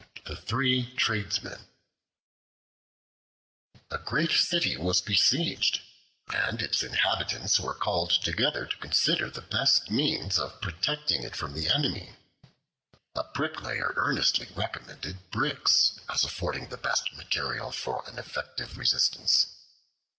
The Three Tradesmen A GREAT CITY was besieged, and its inhabitants were called together to consider the best means of protecting it from the enemy. A Bricklayer earnestly recommended bricks as affording the best material for an effective resistance.